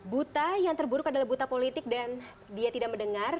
buta yang terburuk adalah buta politik dan dia tidak mendengar